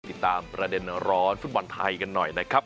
ติดตามประเด็นร้อนฟุตบอลไทยกันหน่อยนะครับ